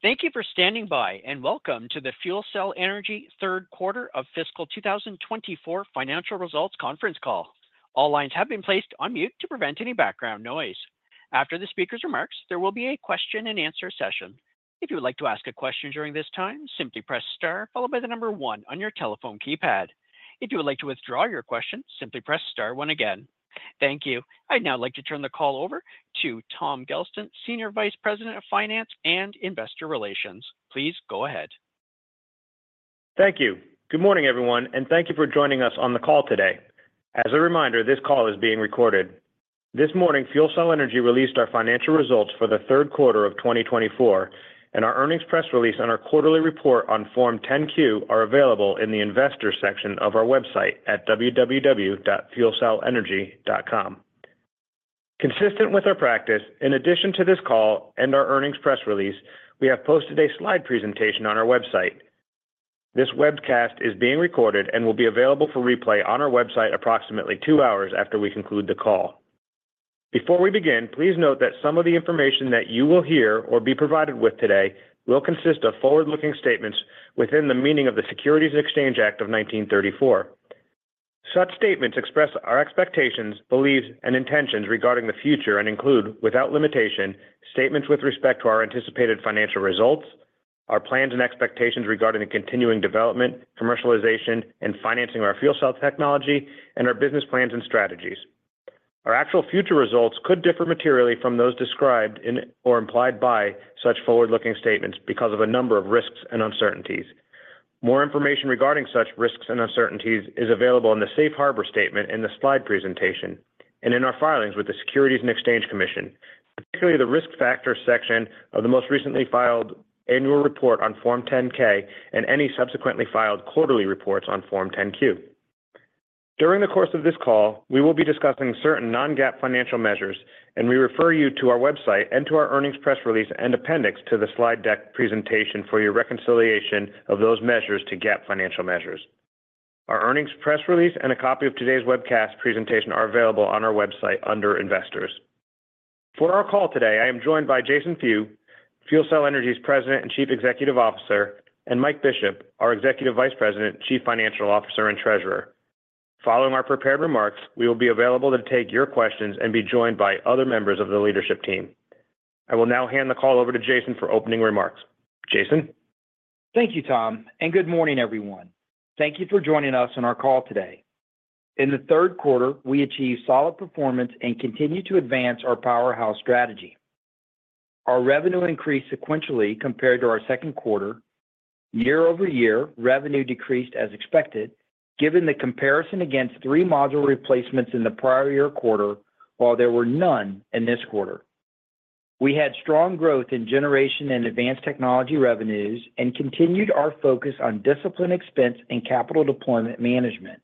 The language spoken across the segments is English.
Thank you for standing by, and welcome to the FuelCell Energy Q3 of fiscal two thousand and twenty-four financial results conference call. All lines have been placed on mute to prevent any background noise. After the speaker's remarks, there will be a question and answer session. If you would like to ask a question during this time, simply press star followed by the number one on your telephone keypad. If you would like to withdraw your question, simply press star one again. Thank you. I'd now like to turn the call over to Tom Gelston, Senior Vice President of Finance and Investor Relations. Please go ahead. Thank you. Good morning, everyone, and thank you for joining us on the call today. As a reminder, this call is being recorded. This morning, FuelCell Energy released our financial results for the Q3 of twenty twenty-four, and our earnings press release and our quarterly report on Form 10-Q are available in the Investors section of our website at www.fuelcellenergy.com. Consistent with our practice, in addition to this call and our earnings press release, we have posted a slide presentation on our website. This webcast is being recorded and will be available for replay on our website approximately two hours after we conclude the call. Before we begin, please note that some of the information that you will hear or be provided with today will consist of forward-looking statements within the meaning of the Securities Exchange Act of nineteen thirty-four. Such statements express our expectations, beliefs, and intentions regarding the future and include, without limitation, statements with respect to our anticipated financial results, our plans and expectations regarding the continuing development, commercialization, and financing of our fuel cell technology, and our business plans and strategies. Our actual future results could differ materially from those described in or implied by such forward-looking statements because of a number of risks and uncertainties. More information regarding such risks and uncertainties is available in the Safe Harbor statement in the slide presentation and in our filings with the Securities and Exchange Commission, particularly the Risk Factors section of the most recently filed annual report on Form 10-K and any subsequently filed quarterly reports on Form 10-Q. During the course of this call, we will be discussing certain non-GAAP financial measures, and we refer you to our website and to our earnings press release and appendix to the slide deck presentation for your reconciliation of those measures to GAAP financial measures. Our earnings press release and a copy of today's webcast presentation are available on our website under Investors. For our call today, I am joined by Jason Few, FuelCell Energy's President and Chief Executive Officer, and Mike Bishop, our Executive Vice President, Chief Financial Officer, and Treasurer. Following our prepared remarks, we will be available to take your questions and be joined by other members of the leadership team. I will now hand the call over to Jason for opening remarks. Jason? Thank you, Tom, and good morning, everyone. Thank you for joining us on our call today. In the Q3, we achieved solid performance and continued to advance our powerhouse strategy. Our revenue increased sequentially compared to our Q2. Year-over-year, revenue decreased as expected, given the comparison against three module replacements in the prior year quarter, while there were none in this quarter. We had strong growth in generation and advanced technology revenues and continued our focus on disciplined expense and capital deployment management.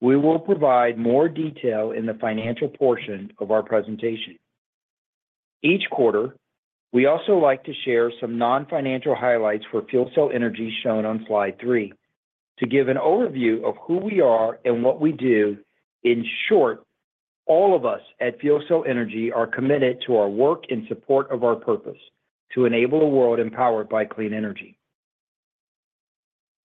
We will provide more detail in the financial portion of our presentation. Each quarter, we also like to share some non-financial highlights for FuelCell Energy, shown on slide three. To give an overview of who we are and what we do, in short, all of us at FuelCell Energy are committed to our work in support of our purpose: to enable a world empowered by clean energy.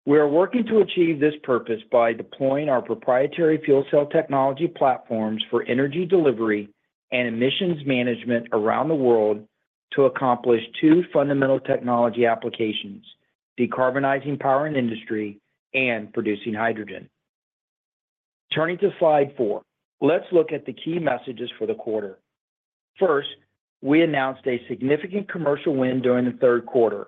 We are working to achieve this purpose by deploying our proprietary fuel cell technology platforms for energy delivery and emissions management around the world to accomplish two fundamental technology applications: decarbonizing power and industry and producing hydrogen. Turning to slide four, let's look at the key messages for the quarter. First, we announced a significant commercial win during the Q3,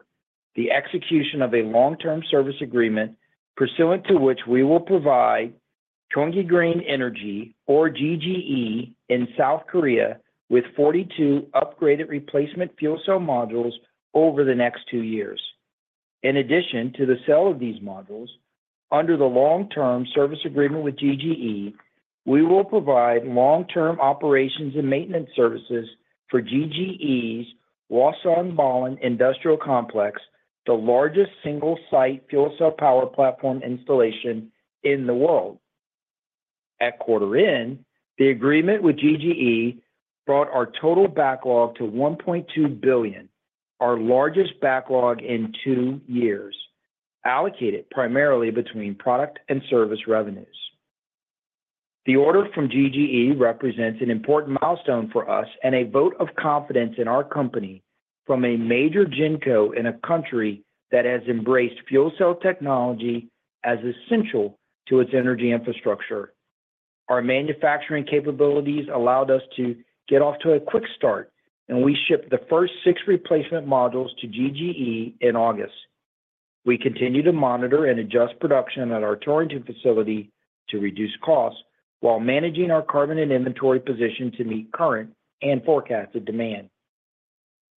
the execution of a long-term service agreement, pursuant to which we will provide Gyeonggi Green Energy, or GGE, in South Korea with 42 upgraded replacement fuel cell modules over the next two years. In addition to the sale of these modules, under the long-term service agreement with GGE, we will provide long-term operations and maintenance services for GGE's Hwaseong Balan Industrial Complex, the largest single-site fuel cell power platform installation in the world. At quarter end, the agreement with GGE brought our total backlog to $1.2 billion, our largest backlog in two years, allocated primarily between product and service revenues. The order from GGE represents an important milestone for us and a vote of confidence in our company from a major genco in a country that has embraced fuel cell technology as essential to its energy infrastructure. Our manufacturing capabilities allowed us to get off to a quick start, and we shipped the first six replacement modules to GGE in August. We continue to monitor and adjust production at our Torrington facility to reduce costs while managing our current and inventory position to meet current and forecasted demand.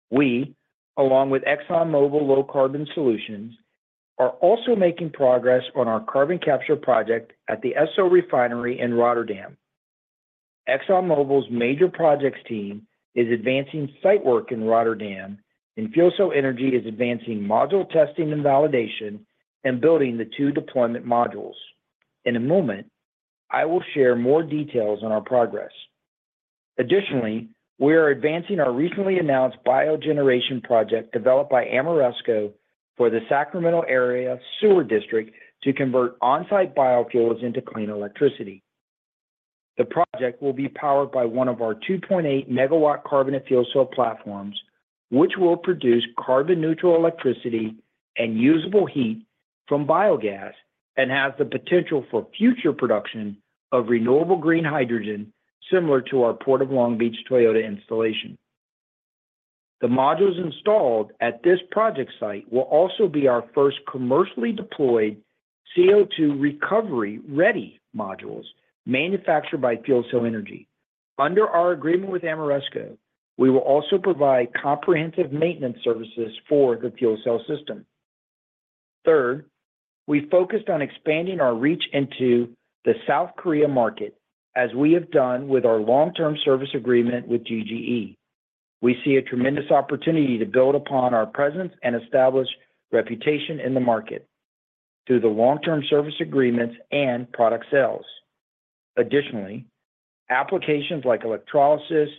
We, along with ExxonMobil Low Carbon Solutions, are also making progress on our carbon capture project at the Esso Refinery in Rotterdam. ExxonMobil's Major Projects team is advancing site work in Rotterdam, and FuelCell Energy is advancing module testing and validation and building the two deployment modules. In a moment, I will share more details on our progress. Additionally, we are advancing our recently announced bio-generation project developed by Ameresco for the Sacramento Area Sewer District to convert on-site biofuels into clean electricity. The project will be powered by one of our 2.8 MW carbonate fuel cell platforms, which will produce carbon-neutral electricity and usable heat from biogas, and has the potential for future production of renewable green hydrogen, similar to our Port of Long Beach Toyota installation. The modules installed at this project site will also be our first commercially deployed CO₂ recovery-ready modules manufactured by FuelCell Energy. Under our agreement with Ameresco, we will also provide comprehensive maintenance services for the fuel cell system. Third, we focused on expanding our reach into the South Korea market, as we have done with our long-term service agreement with GGE. We see a tremendous opportunity to build upon our presence and establish reputation in the market through the long-term service agreements and product sales. Additionally, applications like electrolysis,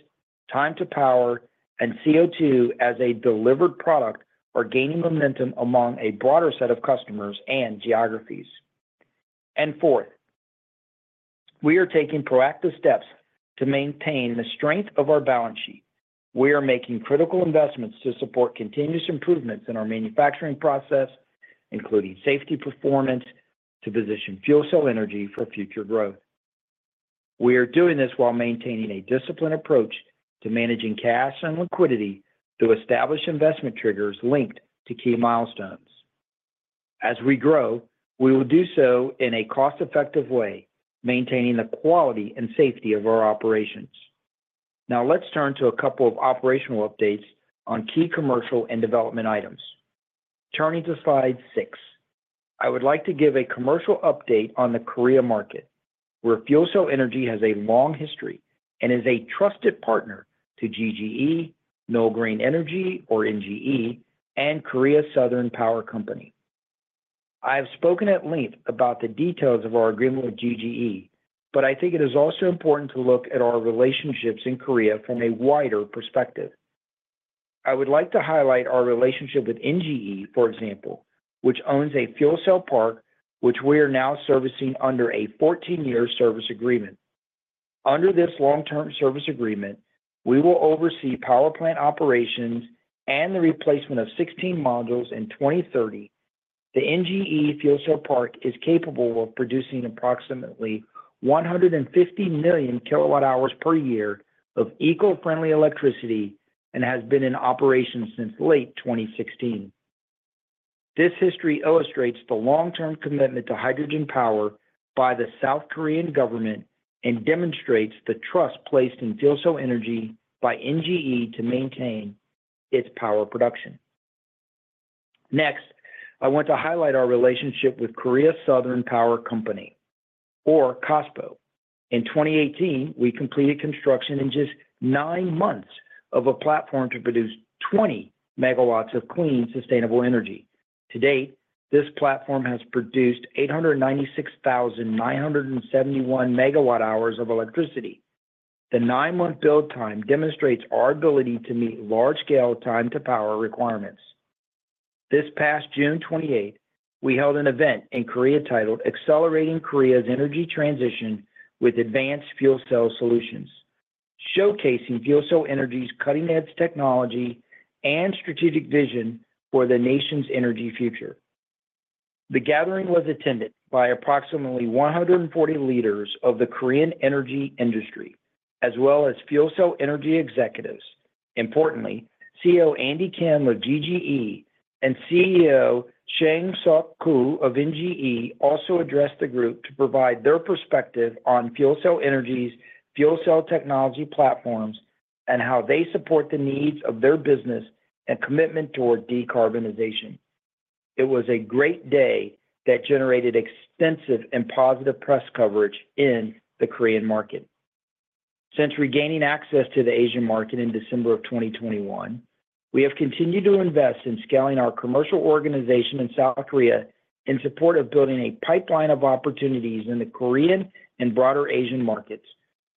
time to power, and CO₂ as a delivered product are gaining momentum among a broader set of customers and geographies. And fourth, we are taking proactive steps to maintain the strength of our balance sheet. We are making critical investments to support continuous improvements in our manufacturing process, including safety performance, to position FuelCell Energy for future growth. We are doing this while maintaining a disciplined approach to managing cash and liquidity through established investment triggers linked to key milestones. As we grow, we will do so in a cost-effective way, maintaining the quality and safety of our operations. Now, let's turn to a couple of operational updates on key commercial and development items. Turning to slide six, I would like to give a commercial update on the Korea market, where FuelCell Energy has a long history and is a trusted partner to GGE, Noeul Green Energy, or NGE, and Korea Southern Power Company. I have spoken at length about the details of our agreement with GGE, but I think it is also important to look at our relationships in Korea from a wider perspective. I would like to highlight our relationship with NGE, for example, which owns a fuel cell park, which we are now servicing under a 14-year service agreement. Under this long-term service agreement, we will oversee power plant operations and the replacement of 16 modules in twenty-thirty. The NGE fuel cell park is capable of producing approximately 150 million kilowatt hours per year of eco-friendly electricity and has been in operation since late twenty-sixteen. This history illustrates the long-term commitment to hydrogen power by the South Korean government and demonstrates the trust placed in FuelCell Energy by NGE to maintain its power production. Next, I want to highlight our relationship with Korea Southern Power Company, or KOSPO. In twenty-eighteen, we completed construction in just nine months of a platform to produce 20 MW of clean, sustainable energy. To date, this platform has produced 896,971 MWh of electricity. The nine-month build time demonstrates our ability to meet large-scale time-to-power requirements. This past June twenty-eight, we held an event in Korea titled Accelerating Korea's Energy Transition with Advanced Fuel Cell Solutions, showcasing FuelCell Energy's cutting-edge technology and strategic vision for the nation's energy future. The gathering was attended by approximately 140 leaders of the Korean energy industry, as well as FuelCell Energy executives. Importantly, CEO Andy Kim of GGE and CEO Chang-suk Ko of NGE also addressed the group to provide their perspective on FuelCell Energy's fuel cell technology platforms and how they support the needs of their business and commitment toward decarbonization. It was a great day that generated extensive and positive press coverage in the Korean market. Since regaining access to the Asian market in December of 2021, we have continued to invest in scaling our commercial organization in South Korea in support of building a pipeline of opportunities in the Korean and broader Asian markets,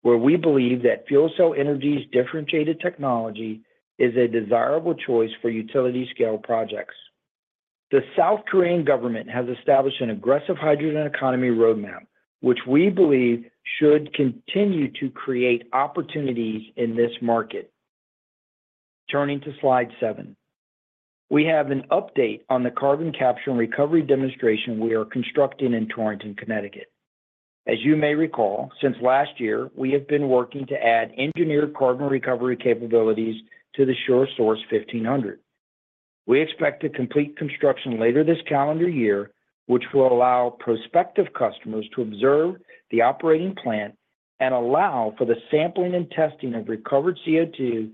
where we believe that FuelCell Energy's differentiated technology is a desirable choice for utility-scale projects. The South Korean government has established an aggressive hydrogen economy roadmap, which we believe should continue to create opportunities in this market. Turning to slide seven, we have an update on the carbon capture and recovery demonstration we are constructing in Torrington, Connecticut. As you may recall, since last year, we have been working to add engineered carbon recovery capabilities to the SureSource 1500. We expect to complete construction later this calendar year, which will allow prospective customers to observe the operating plant and allow for the sampling and testing of recovered CO₂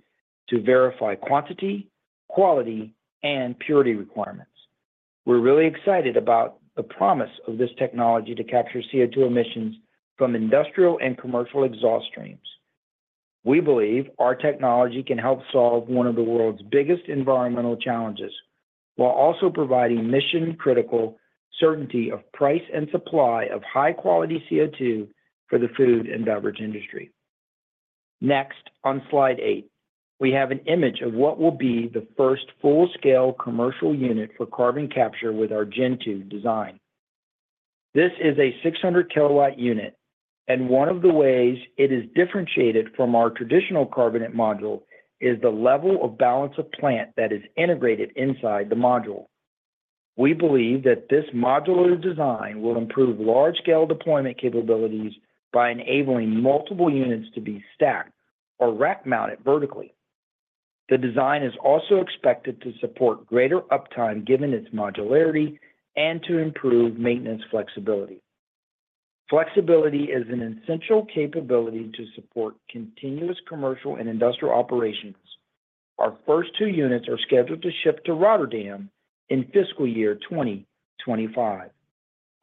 to verify quantity, quality, and purity requirements. We're really excited about the promise of this technology to capture CO₂ emissions from industrial and commercial exhaust streams. We believe our technology can help solve one of the world's biggest environmental challenges, while also providing mission-critical certainty of price and supply of high-quality CO₂ for the food and beverage industry. Next, on slide eight, we have an image of what will be the first full-scale commercial unit for carbon capture with our Gen 2 design. This is a 600-kilowatt unit, and one of the ways it is differentiated from our traditional carbonate module is the level of balance of plant that is integrated inside the module. We believe that this modular design will improve large-scale deployment capabilities by enabling multiple units to be stacked or rack mounted vertically. The design is also expected to support greater uptime, given its modularity, and to improve maintenance flexibility. Flexibility is an essential capability to support continuous commercial and industrial operations. Our first two units are scheduled to ship to Rotterdam in fiscal year twenty twenty-five.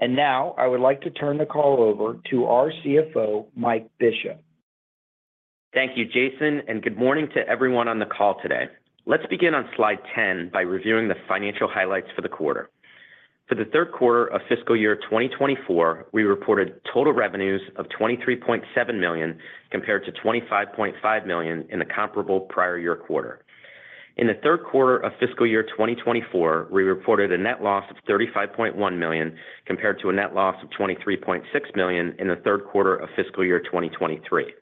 And now, I would like to turn the call over to our CFO, Mike Bishop. Thank you, Jason, and good morning to everyone on the call today. Let's begin on slide 10 by reviewing the financial highlights for the quarter. For the Q3 of fiscal year twenty twenty-four, we reported total revenues of $23.7 million, compared to $25.5 million in the comparable prior year quarter. In the Q3 of fiscal year twenty twenty-four, we reported a net loss of $35.1 million, compared to a net loss of $23.6 million in the Q3of fiscal year twenty twenty-three.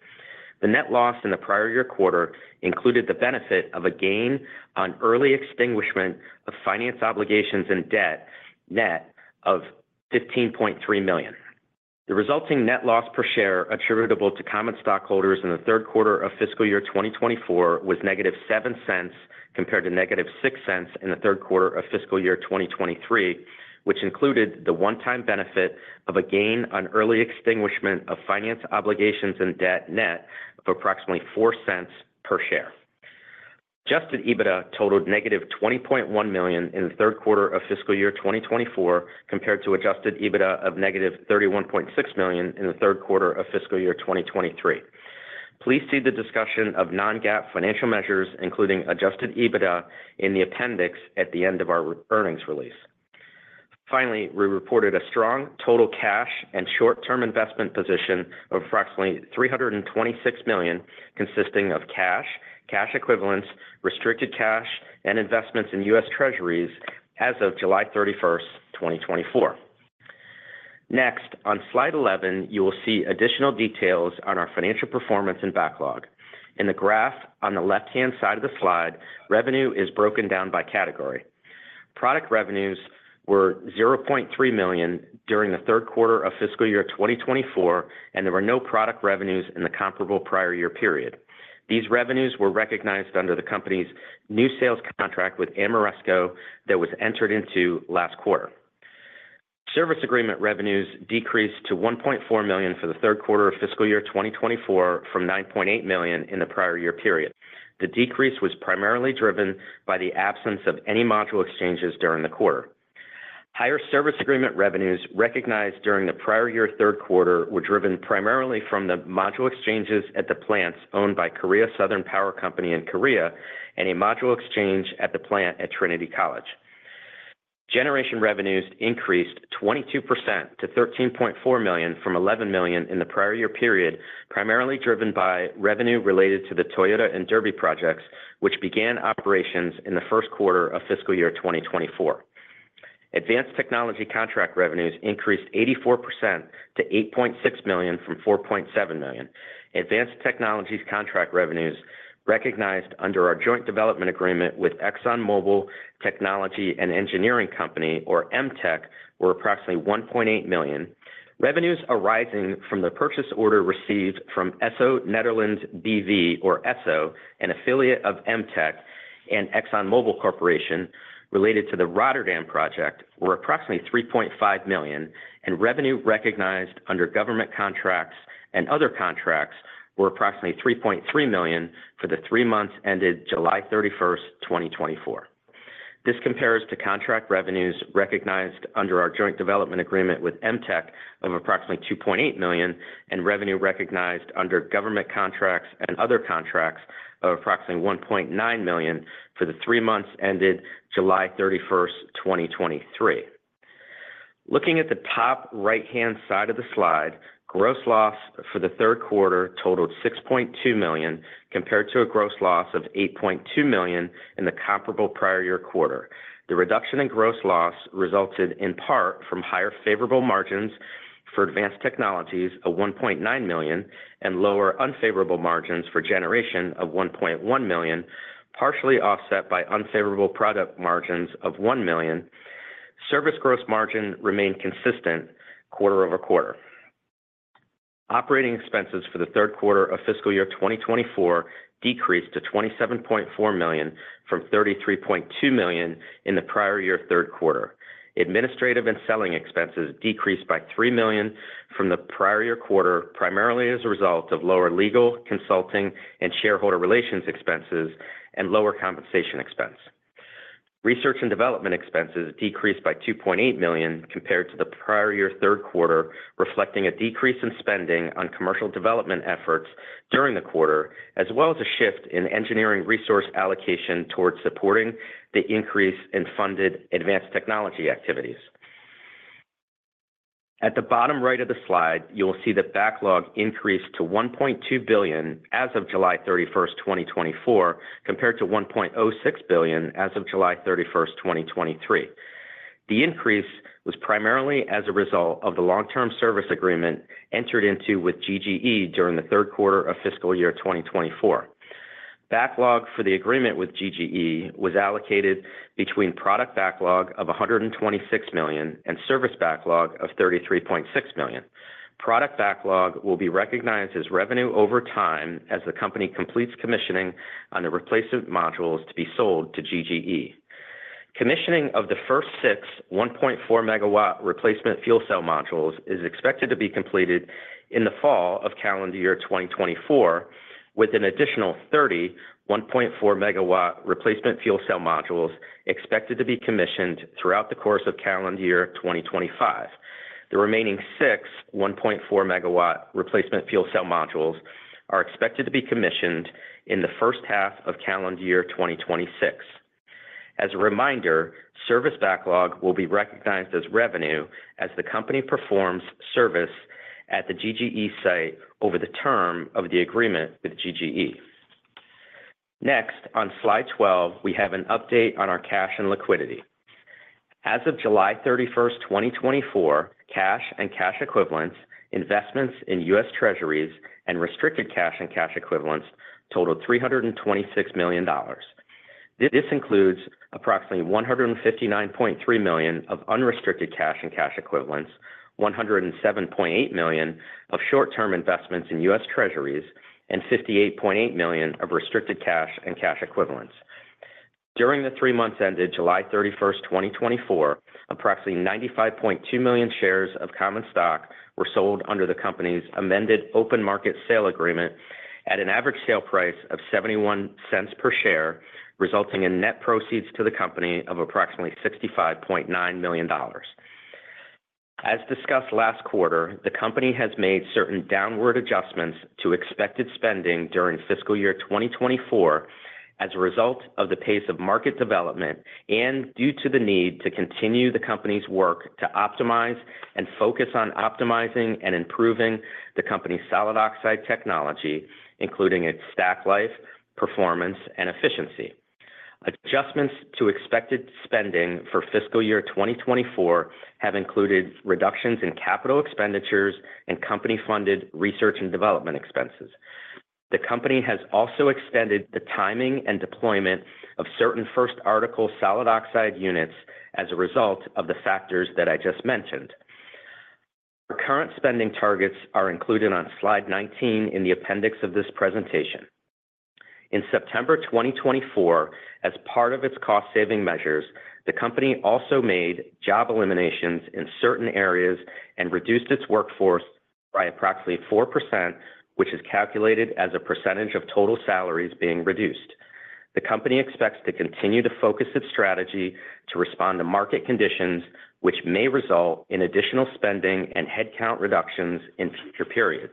The net loss in the prior year quarter included the benefit of a gain on early extinguishment of finance obligations and debt net of $15.3 million. The resulting net loss per share attributable to common stockholders in the Q3 of fiscal year twenty twenty-four was -$0.07, compared to -$0.06 in the Q3 of fiscal year twenty twenty-three, which included the one-time benefit of a gain on early extinguishment of finance obligations and debt net of approximately $0.04 per share. Adjusted EBITDA totaled -$20.1 million in the Q3 of fiscal year twenty twenty-four, compared to adjusted EBITDA of -$31.6 million in the Q3 of fiscal year twenty twenty-three. Please see the discussion of non-GAAP financial measures, including adjusted EBITDA in the appendix at the end of our earnings release. Finally, we reported a strong total cash and short-term investment position of approximately $326 million, consisting of cash, cash equivalents, restricted cash, and investments in U.S. Treasuries as of July 31st, twenty twenty-four. Next, on slide 11, you will see additional details on our financial performance and backlog. In the graph on the left-hand side of the slide, revenue is broken down by category. Product revenues were $0.3 million during the Q3 of fiscal year twenty twenty-four, and there were no product revenues in the comparable prior year period. These revenues were recognized under the company's new sales contract with Ameresco that was entered into last quarter. Service agreement revenues decreased to $1.4 million for the Q3 of fiscal year twenty twenty-four, from $9.8 million in the prior year period. The decrease was primarily driven by the absence of any module exchanges during the quarter. Higher service agreement revenues recognized during the prior year Q3 were driven primarily from the module exchanges at the plants owned by Korea Southern Power Company in Korea, and a module exchange at the plant at Trinity College. Generation revenues increased 22% to $13.4 million from $11 million in the prior year period, primarily driven by revenue related to the Toyota and Derby projects, which began operations in the Q1 of fiscal year twenty twenty-four. Advanced technology contract revenues increased 84% to $8.6 million from $4.7 million. Advanced technologies contract revenues recognized under our joint development agreement with ExxonMobil Technology and Engineering Company, or EMTEC, were approximately $1.8 million. Revenues arising from the purchase order received from Esso Netherlands BV, or Esso, an affiliate of EMTEC and ExxonMobil Corporation, related to the Rotterdam project, were approximately $3.5 million, and revenue recognized under government contracts and other contracts were approximately $3.3 million for the three months ended July 31st, twenty twenty-four. This compares to contract revenues recognized under our joint development agreement with EMTEC of approximately $2.8 million, and revenue recognized under government contracts and other contracts of approximately $1.9 million for the three months ended July 31st, twenty twenty-three. Looking at the top right-hand side of the slide, gross loss for the Q3 totaled $6.2 million, compared to a gross loss of $8.2 million in the comparable prior year quarter. The reduction in gross loss resulted in part from higher favorable margins for advanced technologies of $1.9 million, and lower unfavorable margins for generation of $1.1 million, partially offset by unfavorable product margins of $1 million. Service gross margin remained consistent quarter-over-quarter. Operating expenses for the Q3 of fiscal year twenty twenty-four decreased to $27.4 million from $33.2 million in the prior year Q3. Administrative and selling expenses decreased by $3 million from the prior year quarter, primarily as a result of lower legal, consulting, and shareholder relations expenses and lower compensation expense. Research and development expenses decreased by $2.8 million compared to the prior year Q3, reflecting a decrease in spending on commercial development efforts during the quarter, as well as a shift in engineering resource allocation towards supporting the increase in funded advanced technology activities. At the bottom right of the slide, you will see that backlog increased to $1.2 billion as of July 31st, twenty twenty-four, compared to $1.06 billion as of July 31st, twenty twenty-three. The increase was primarily as a result of the long-term service agreement entered into with GGE during the Q3 of fiscal year twenty twenty-four. Backlog for the agreement with GGE was allocated between product backlog of $126 million and service backlog of $33.6 million. Product backlog will be recognized as revenue over time as the company completes commissioning on the replacement modules to be sold to GGE. Commissioning of the first six 1.4 MW replacement fuel cell modules is expected to be completed in the fall of calendar year twenty twenty-four, with an additional 30 1.4 MW replacement fuel cell modules expected to be commissioned throughout the course of calendar year twenty twenty-five. The remaining six 1.4 MW replacement fuel cell modules are expected to be commissioned in the first half of calendar year twenty twenty-six. As a reminder, service backlog will be recognized as revenue as the company performs service at the GGE site over the term of the agreement with GGE. Next, on slide 12, we have an update on our cash and liquidity. As of July 31st, twenty twenty-four, cash and cash equivalents, investments in U.S. Treasuries, and restricted cash and cash equivalents totaled $326 million. This includes approximately $159.3 million of unrestricted cash and cash equivalents, $107.8 million of short-term investments in U.S. Treasuries, and $58.8 million of restricted cash and cash equivalents. During the three months ended July 31st, twenty twenty-four, approximately 95.2 million shares of common stock were sold under the company's amended open market sale agreement at an average sale price of $0.71 per share, resulting in net proceeds to the company of approximately $65.9 million. As discussed last quarter, the company has made certain downward adjustments to expected spending during fiscal year twenty twenty-four as a result of the pace of market development and due to the need to continue the company's work to optimize and focus on optimizing and improving the company's solid oxide technology, including its stack life, performance, and efficiency. Adjustments to expected spending for fiscal year twenty twenty-four have included reductions in capital expenditures and company-funded research and development expenses. The company has also extended the timing and deployment of certain first article solid oxide units as a result of the factors that I just mentioned. Our current spending targets are included on slide 19 in the appendix of this presentation. In September twenty twenty-four, as part of its cost-saving measures, the company also made job eliminations in certain areas and reduced its workforce by approximately 4%, which is calculated as a percentage of total salaries being reduced. The company expects to continue to focus its strategy to respond to market conditions, which may result in additional spending and headcount reductions in future periods.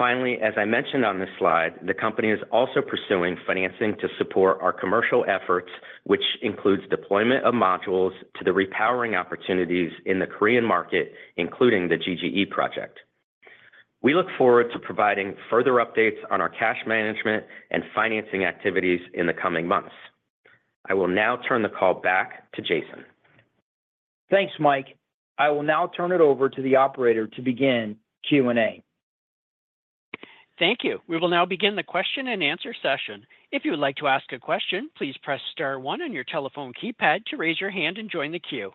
Finally, as I mentioned on this slide, the company is also pursuing financing to support our commercial efforts, which includes deployment of modules to the repowering opportunities in the Korean market, including the GGE project. We look forward to providing further updates on our cash management and financing activities in the coming months. I will now turn the call back to Jason. Thanks, Mike. I will now turn it over to the operator to begin Q&A. Thank you. We will now begin the question and answer session. If you would like to ask a question, please press star one on your telephone keypad to raise your hand and join the queue.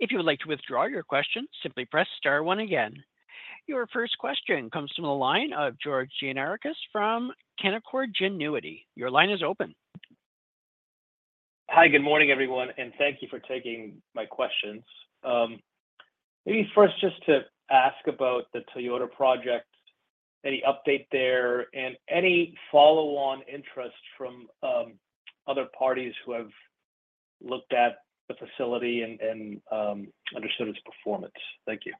If you would like to withdraw your question, simply press star one again. Your first question comes from the line of George Gianarikas from Canaccord Genuity. Your line is open. Hi, good morning, everyone, and thank you for taking my questions. Maybe first just to ask about the Toyota project, any update there and any follow-on interest from other parties who have looked at the facility and understood its performance? Thank you.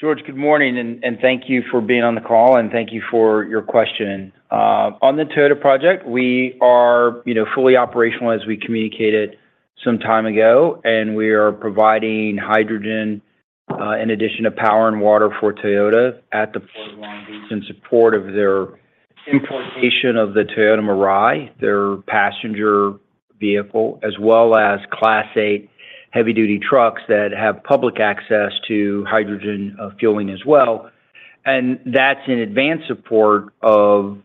George, good morning and thank you for being on the call, and thank you for your question. On the Toyota project, we are, you know, fully operational, as we communicated some time ago, and we are providing hydrogen in addition to power and water for Toyota at the Port of Long Beach in support of their importation of the Toyota Mirai, their passenger vehicle, as well as Class 8 heavy-duty trucks that have public access to hydrogen fueling as well. That's in advance support of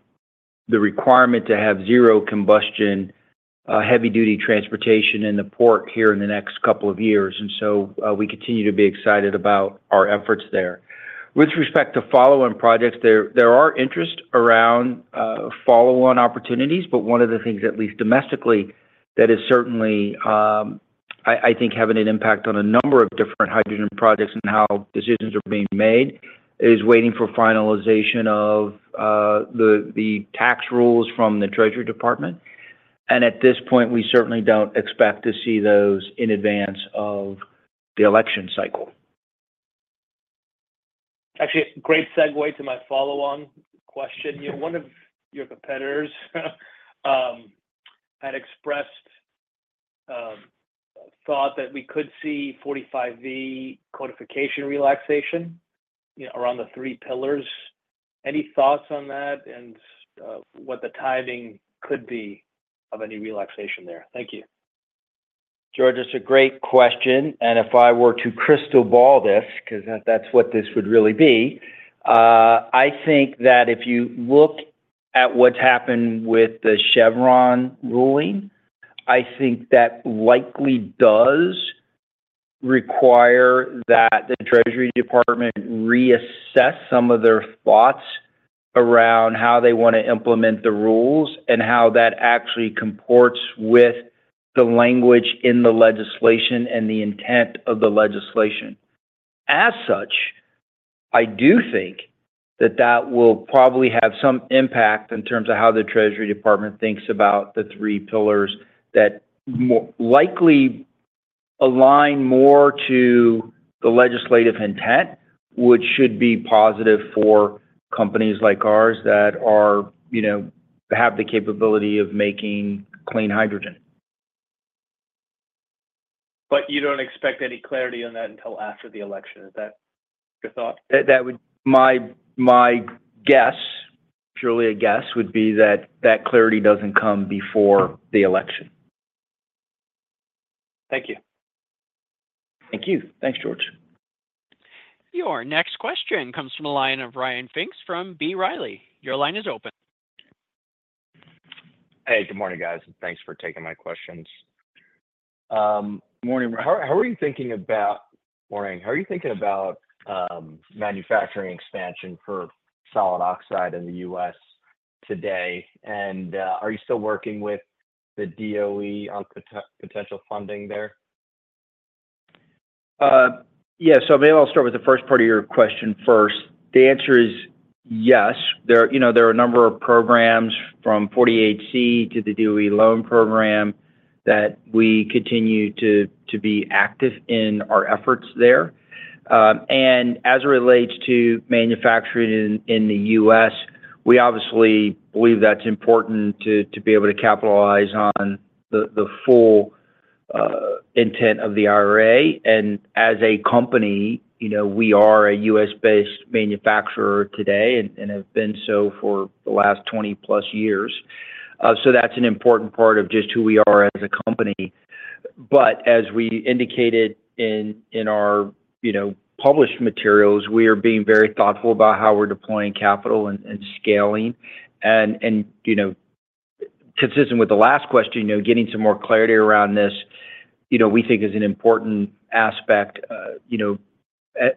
the requirement to have zero combustion heavy-duty transportation in the port here in the next couple of years, and so we continue to be excited about our efforts there. With respect to follow-on projects, there are interest around follow-on opportunities, but one of the things, at least domestically, that is certainly... I think having an impact on a number of different hydrogen projects and how decisions are being made is waiting for finalization of the tax rules from the Treasury Department. And at this point, we certainly don't expect to see those in advance of the election cycle. Actually, a great segue to my follow-on question. You know, one of your competitors had expressed a thought that we could see 45V codification relaxation, you know, around the three pillars. Any thoughts on that and what the timing could be of any relaxation there? Thank you. George, it's a great question, and if I were to crystal ball this, 'cause that's what this would really be, I think that if you look at what's happened with the Chevron ruling, I think that likely does require that the Treasury Department reassess some of their thoughts around how they want to implement the rules, and how that actually comports with the language in the legislation and the intent of the legislation. As such, I do think that that will probably have some impact in terms of how the Treasury Department thinks about the three pillars that more likely align more to the legislative intent, which should be positive for companies like ours that are, you know, have the capability of making clean hydrogen. But you don't expect any clarity on that until after the election. Is that your thought? That would be my guess, purely a guess, that the clarity doesn't come before the election. Thank you. Thank you. Thanks, George. Your next question comes from the line of Ryan Pfingst from B. Riley. Your line is open. Hey, good morning, guys, and thanks for taking my questions. Morning, Ryan. Morning. How are you thinking about manufacturing expansion for solid oxide in the U.S. today? And are you still working with the DOE on potential funding there? Yeah. So maybe I'll start with the first part of your question first. The answer is yes. There are, you know, there are a number of programs, from 48C to the DOE loan program, that we continue to be active in our efforts there. And as it relates to manufacturing in the U.S., we obviously believe that's important to be able to capitalize on the full intent of the IRA. And as a company, you know, we are a U.S.-based manufacturer today and have been so for the last 20+ years. So that's an important part of just who we are as a company. But as we indicated in our, you know, published materials, we are being very thoughtful about how we're deploying capital and scaling. You know, consistent with the last question, you know, getting some more clarity around this, you know, we think is an important aspect. You know,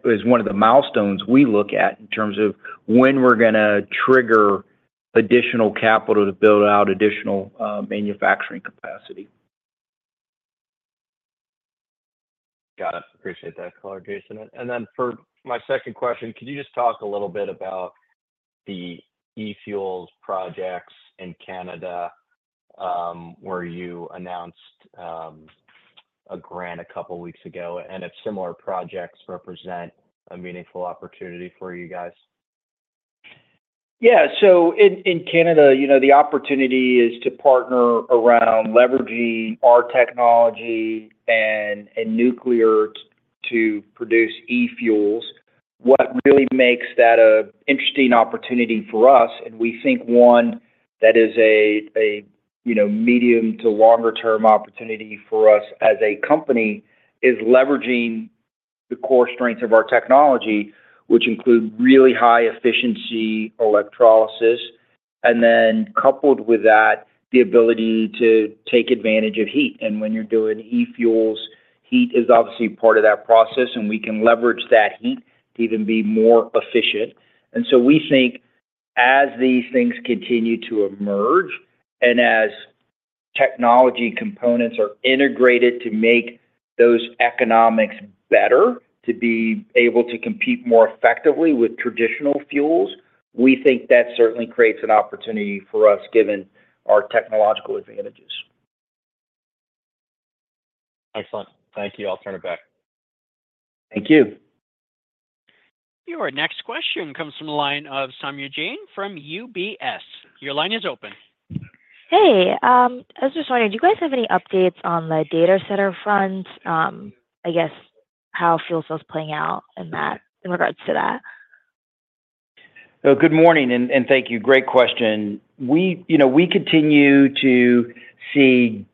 is one of the milestones we look at in terms of when we're gonna trigger additional capital to build out additional manufacturing capacity. Got it. Appreciate that clarification. And then for my second question, could you just talk a little bit about the e-fuels projects in Canada, where you announced a grant a couple weeks ago, and if similar projects represent a meaningful opportunity for you guys? Yeah. So in Canada, you know, the opportunity is to partner around leveraging our technology and nuclear to produce e-fuels. What really makes that an interesting opportunity for us, and we think one that is a, you know, medium- to longer-term opportunity for us as a company, is leveraging the core strengths of our technology, which include really high-efficiency electrolysis, and then coupled with that, the ability to take advantage of heat. When you're doing e-fuels, heat is obviously part of that process, and we can leverage that heat to even be more efficient. So we think as these things continue to emerge, and as technology components are integrated to make those economics better, to be able to compete more effectively with traditional fuels, we think that certainly creates an opportunity for us, given our technological advantages. Excellent. Thank you. I'll turn it back. Thank you. Your next question comes from the line of Saumya Jain from UBS. Your line is open. Hey. I was just wondering, do you guys have any updates on the data center front? I guess, how FuelCell's playing out in that, in regards to that? Good morning, and thank you. Great question. We, you know, we continue to see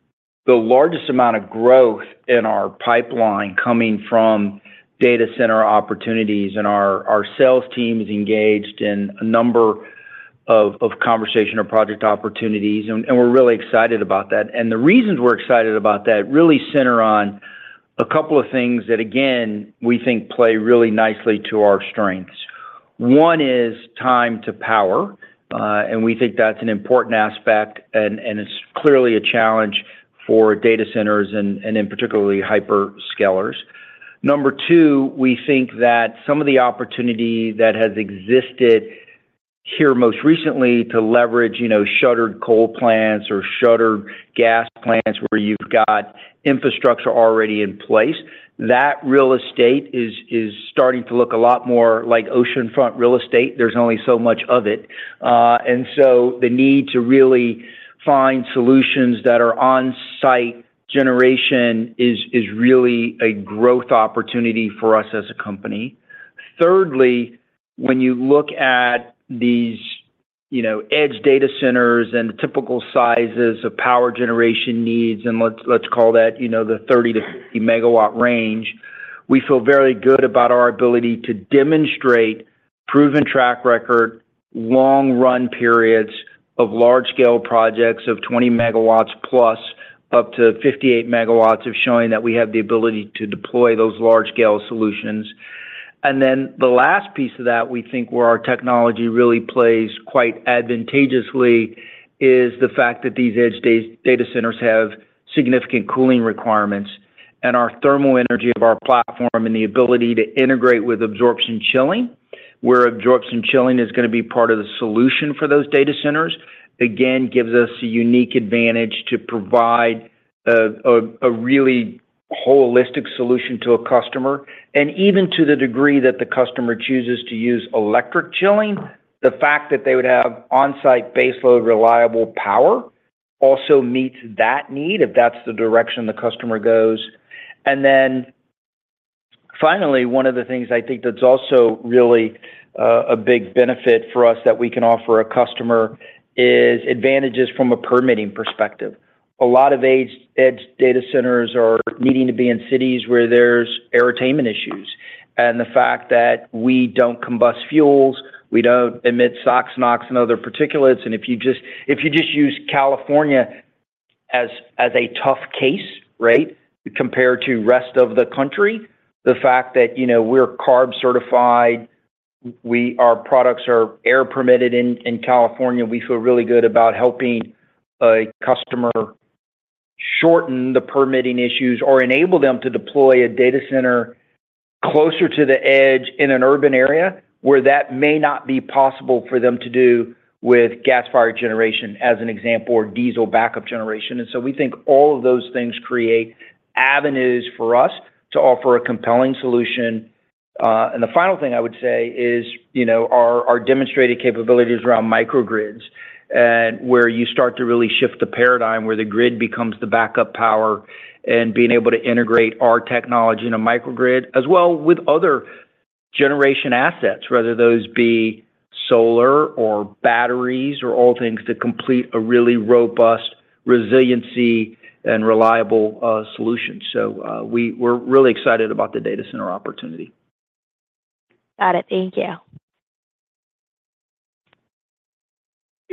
the largest amount of growth in our pipeline coming from data center opportunities, and our sales team is engaged in a number of conversation or project opportunities, and we're really excited about that. And the reasons we're excited about that really center on a couple of things that, again, we think play really nicely to our strengths. One is time to power, and we think that's an important aspect, and it's clearly a challenge for data centers and in particularly hyperscalers. Number two, we think that some of the opportunity that has existed here most recently to leverage, you know, shuttered coal plants or shuttered gas plants, where you've got infrastructure already in place, that real estate is starting to look a lot more like oceanfront real estate. There's only so much of it, and so the need to really find solutions that are on-site generation is really a growth opportunity for us as a company. Thirdly, when you look at these, you know, edge data centers and the typical sizes of power generation needs, and let's call that, you know, the 30-50 MW range, we feel very good about our ability to demonstrate proven track record, long run periods of large-scale projects of 20 MW plus, up to 58 MW, of showing that we have the ability to deploy those large-scale solutions. And then the last piece of that, we think, where our technology really plays quite advantageously, is the fact that these edge data centers have significant cooling requirements, and our thermal energy of our platform and the ability to integrate with absorption chilling, where absorption chilling is gonna be part of the solution for those data centers, again, gives us a unique advantage to provide a really holistic solution to a customer. And even to the degree that the customer chooses to use electric chilling, the fact that they would have on-site baseload reliable power also meets that need, if that's the direction the customer goes. And then finally, one of the things I think that's also really a big benefit for us that we can offer a customer is advantages from a permitting perspective. A lot of edge data centers are needing to be in cities where there's non-attainment issues, and the fact that we don't combust fuels, we don't emit SOx, NOx, and other particulates. And if you just, if you just use California as, as a tough case, right? Compared to rest of the country, the fact that, you know, we're CARB-certified, our products are air permitted in, in California. We feel really good about helping a customer shorten the permitting issues or enable them to deploy a data center closer to the edge in an urban area, where that may not be possible for them to do with gas-fired generation, as an example, or diesel backup generation. And so we think all of those things create avenues for us to offer a compelling solution. And the final thing I would say is, you know, our demonstrated capabilities around microgrids, and where you start to really shift the paradigm where the grid becomes the backup power, and being able to integrate our technology in a microgrid, as well with other generation assets, whether those be solar or batteries or all things to complete a really robust resiliency and reliable solution. So, we're really excited about the data center opportunity. Got it. Thank you.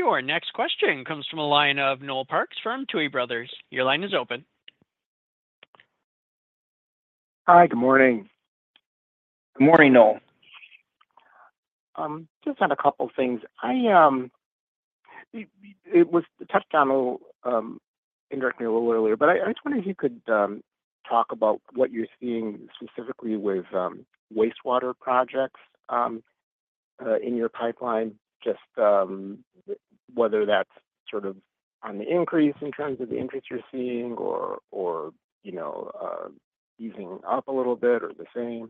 Your next question comes from the line of Noel Parks from Tuohy Brothers. Your line is open. Hi, good morning. Good morning, Noel. Just had a couple things. It was touched on a little, indirectly a little earlier, but I just wondered if you could talk about what you're seeing specifically with wastewater projects in your pipeline, just whether that's sort of on the increase in terms of the interest you're seeing or you know, easing up a little bit or the same?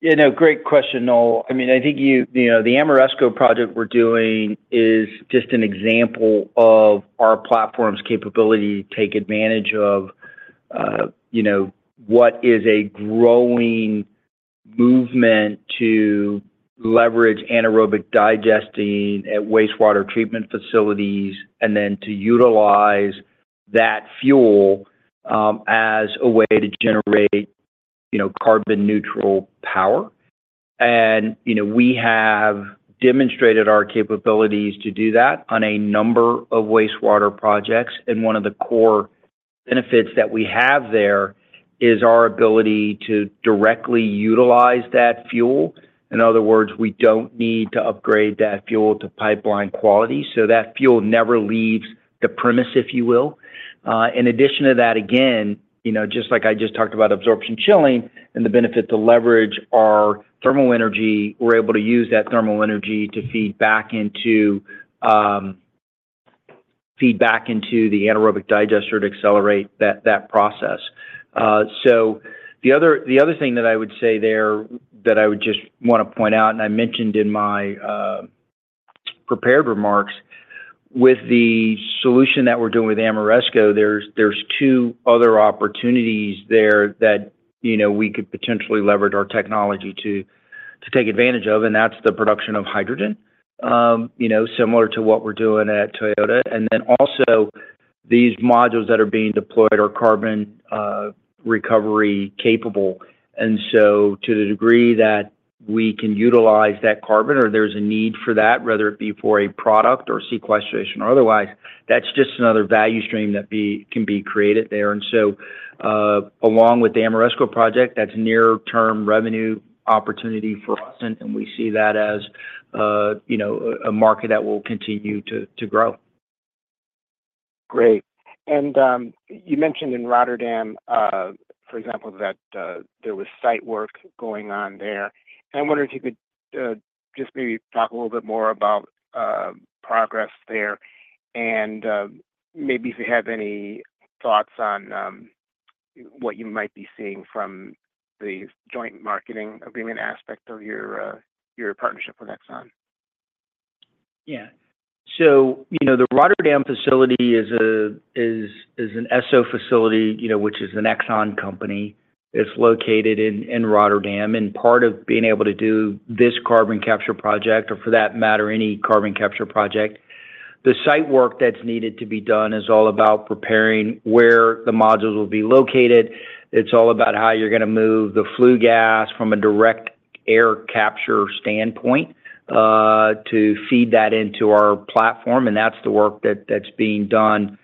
Yeah, no, great question, Noel. I mean, I think you know, the Ameresco project we're doing is just an example of our platform's capability to take advantage of, you know, what is a growing movement to leverage anaerobic digestion at wastewater treatment facilities, and then to utilize that fuel, as a way to generate, you know, carbon neutral power. You know, we have demonstrated our capabilities to do that on a number of wastewater projects, and one of the core benefits that we have there is our ability to directly utilize that fuel. In other words, we don't need to upgrade that fuel to pipeline quality, so that fuel never leaves the premises, if you will. In addition to that, again, you know, just like I just talked about absorption chilling and the benefit to leverage our thermal energy, we're able to use that thermal energy to feed back into the anaerobic digester to accelerate that process. So the other thing that I would say there, that I would just wanna point out, and I mentioned in my prepared remarks, with the solution that we're doing with Ameresco, there's two other opportunities there that, you know, we could potentially leverage our technology to take advantage of, and that's the production of hydrogen, you know, similar to what we're doing at Toyota. And then also, these modules that are being deployed are carbon recovery capable. To the degree that we can utilize that carbon, or there's a need for that, whether it be for a product or sequestration or otherwise, that's just another value stream that can be created there. Along with the Ameresco project, that's near-term revenue opportunity for us, and we see that as, you know, a market that will continue to grow. Great. And you mentioned in Rotterdam, for example, that there was site work going on there. I'm wondering if you could just maybe talk a little bit more about progress there, and maybe if you have any thoughts on what you might be seeing from the joint marketing agreement aspect of your partnership with Exxon? Yeah. So, you know, the Rotterdam facility is an Esso facility, you know, which is an Exxon company. It's located in Rotterdam, and part of being able to do this carbon capture project, or for that matter, any carbon capture project, the site work that's needed to be done is all about preparing where the modules will be located. It's all about how you're gonna move the flue gas from a direct air capture standpoint to feed that into our platform, and that's the work that's being done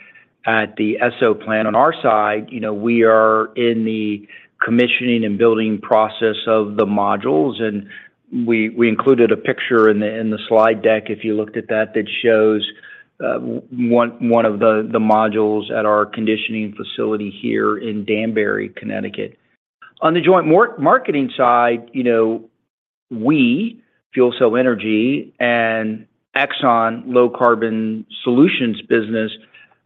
at the Esso plant. On our side, you know, we are in the commissioning and building process of the modules, and we included a picture in the slide deck, if you looked at that, that shows one of the modules at our commissioning facility here in Danbury, Connecticut. On the joint marketing side, you know, we, FuelCell Energy and ExxonMobil Low Carbon Solutions business,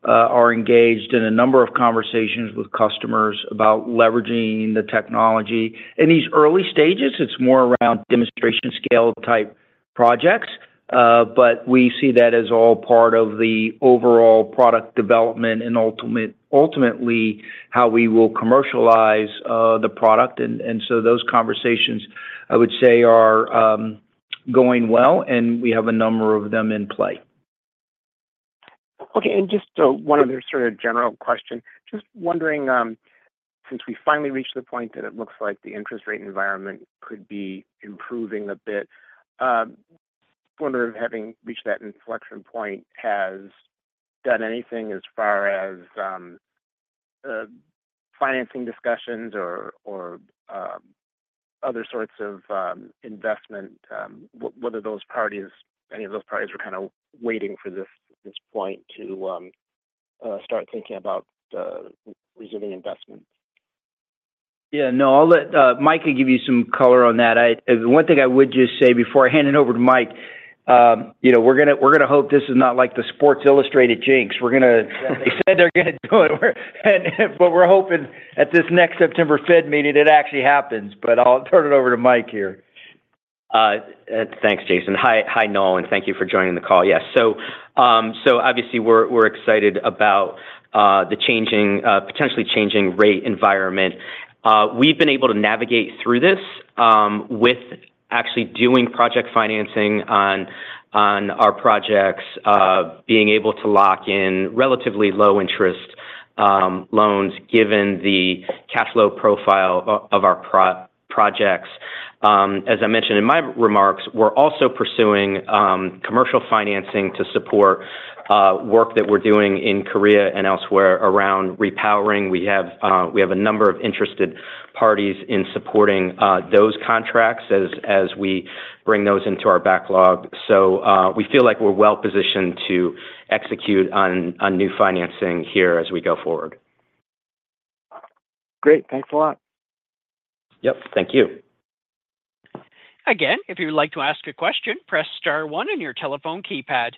are engaged in a number of conversations with customers about leveraging the technology. In these early stages, it's more around demonstration scale-type projects, but we see that as all part of the overall product development and ultimately, how we will commercialize the product. And so those conversations, I would say, are going well, and we have a number of them in play. Okay, and just, one other sort of general question. Just wondering, since we finally reached the point that it looks like the interest rate environment could be improving a bit, wondering if having reached that inflection point has done anything as far as, financing discussions or other sorts of investment, whether those parties, any of those parties were kind of waiting for this point to, start thinking about, resuming investment? Yeah, no, I'll let Mike give you some color on that. The one thing I would just say before I hand it over to Mike, you know, we're gonna hope this is not like the Sports Illustrated jinx. They said they're gonna do it, but we're hoping at this next September Fed meeting, it actually happens. But I'll turn it over to Mike here. Thanks, Jason. Hi, Noel, and thank you for joining the call. Yes, so obviously, we're excited about the changing, potentially changing rate environment. We've been able to navigate through this with actually doing project financing on our projects, being able to lock in relatively low interest loans, given the cash flow profile of our projects. As I mentioned in my remarks, we're also pursuing commercial financing to support work that we're doing in Korea and elsewhere around repowering. We have a number of interested parties in supporting those contracts as we bring those into our backlog. So, we feel like we're well-positioned to execute on new financing here as we go forward. Great. Thanks a lot. Yep. Thank you. Again, if you would like to ask a question, press star one on your telephone keypad.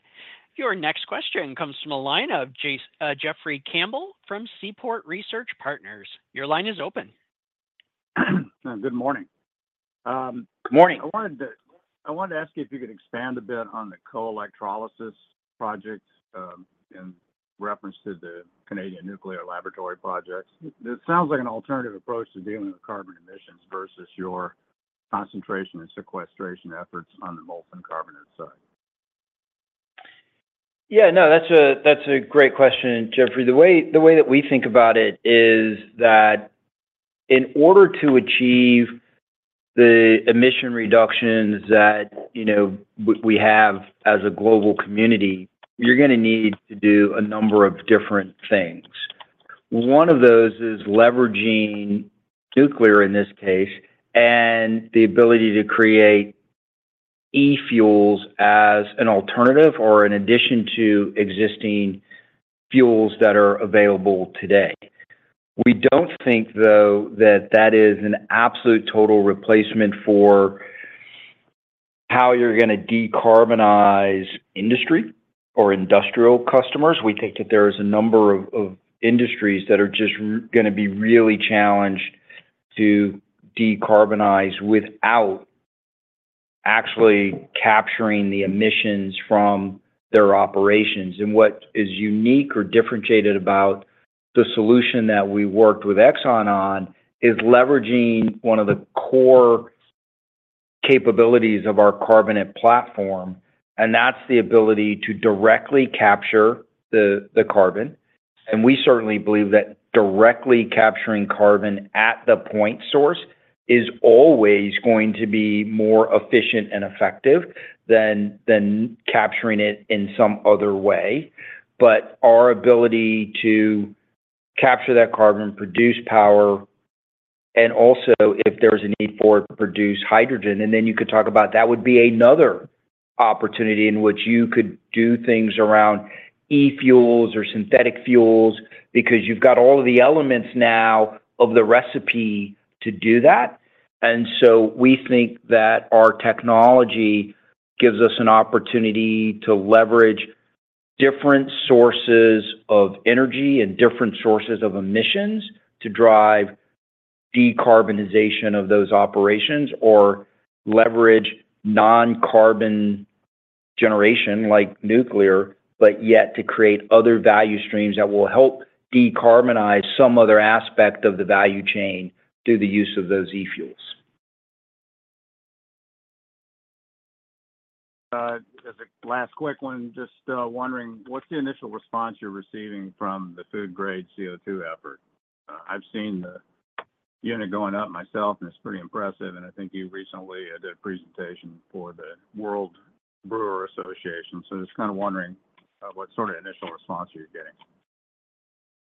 Your next question comes from the line of Jeffrey Campbell from Seaport Research Partners. Your line is open. Good morning. Good morning. I wanted to ask you if you could expand a bit on the co-electrolysis projects in reference to the Canadian Nuclear Laboratories projects. It sounds like an alternative approach to dealing with carbon emissions versus your concentration and sequestration efforts on the molten carbonate side. Yeah, no, that's a great question, Jeffrey. The way that we think about it is that in order to achieve the emission reductions that, you know, we have as a global community, you're gonna need to do a number of different things. One of those is leveraging nuclear, in this case, and the ability to create e-fuels as an alternative or an addition to existing fuels that are available today. We don't think, though, that that is an absolute total replacement for how you're gonna decarbonize industry or industrial customers. We think that there is a number of industries that are just gonna be really challenged to decarbonize without actually capturing the emissions from their operations. What is unique or differentiated about the solution that we worked with Exxon on is leveraging one of the core capabilities of our carbonate platform, and that's the ability to directly capture the carbon. We certainly believe that directly capturing carbon at the point source is always going to be more efficient and effective than capturing it in some other way. Our ability to capture that carbon, produce power, and also if there's a need for it, produce hydrogen, and then you could talk about that would be another opportunity in which you could do things around e-fuels or synthetic fuels, because you've got all of the elements now of the recipe to do that. We think that our technology gives us an opportunity to leverage different sources of energy and different sources of emissions to drive decarbonization of those operations, or leverage non-carbon generation like nuclear, but yet to create other value streams that will help decarbonize some other aspect of the value chain through the use of those e-fuels. As a last quick one, just wondering, what's the initial response you're receiving from the food-grade CO2 effort? I've seen the unit going up myself, and it's pretty impressive, and I think you recently did a presentation for the Brewers Association, so just kind of wondering, what sort of initial response are you getting?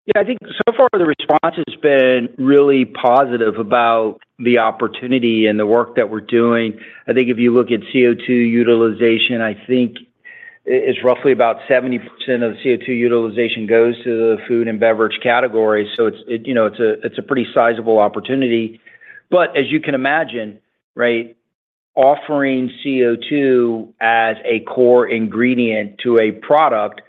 Yeah, I think so far the response has been really positive about the opportunity and the work that we're doing. I think if you look at CO2 utilization, I think it's roughly about 70% of the CO2 utilization goes to the food and beverage category, so it's, you know, it's a pretty sizable opportunity. But as you can imagine, right, offering CO2 as a core ingredient to a product,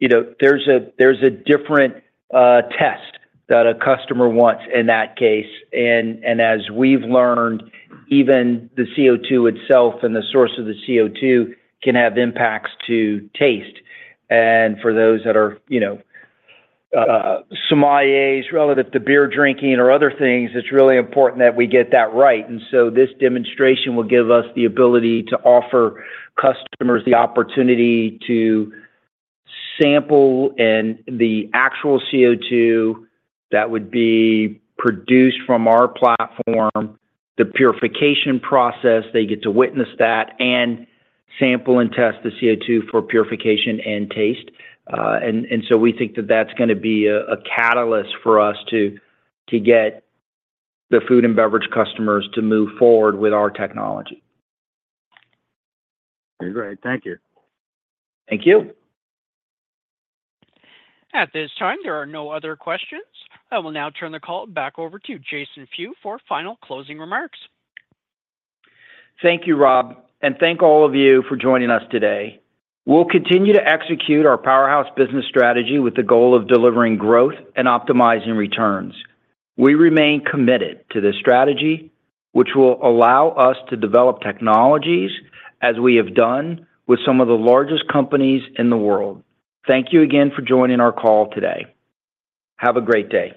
you know, there's a different test that a customer wants in that case. And as we've learned, even the CO2 itself and the source of the CO2 can have impacts to taste. And for those that are, you know, sommeliers relative to beer drinking or other things, it's really important that we get that right. And so this demonstration will give us the ability to offer customers the opportunity to sample, and the actual CO2 that would be produced from our platform, the purification process. They get to witness that, and sample and test the CO2 for purification and taste. And so we think that that's gonna be a catalyst for us to get the food and beverage customers to move forward with our technology. Great. Thank you. Thank you. At this time, there are no other questions. I will now turn the call back over to Jason Few for final closing remarks. Thank you, Rob, and thank all of you for joining us today. We'll continue to execute our powerhouse business strategy with the goal of delivering growth and optimizing returns. We remain committed to this strategy, which will allow us to develop technologies as we have done with some of the largest companies in the world. Thank you again for joining our call today. Have a great day.